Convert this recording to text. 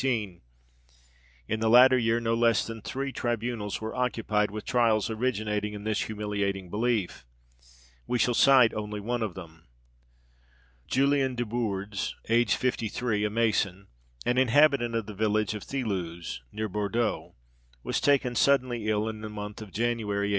In the latter year no less than three tribunals were occupied with trials originating in this humiliating belief: we shall cite only one of them. Julian Desbourdes, aged fifty three, a mason, and inhabitant of the village of Thilouze, near Bourdeaux, was taken suddenly ill, in the month of January 1818.